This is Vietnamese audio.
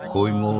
khôi mô tuấn tú